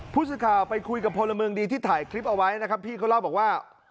ผู้สื่อข่าวไปคุยกับพลเมืองดีที่ถ่ายคลิปเอาไว้นะครับพี่เขาเล่าบอกว่า